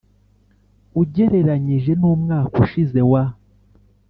ugereranyije n umwaka ushize wa